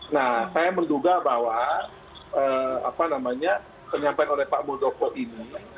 nah saya menduga bahwa penyampaian oleh pak muldoko ini